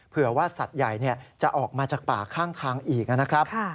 เผื่อว่าสัตว์ใหญ่จะออกมาจากป่าข้างทางอีกนะครับ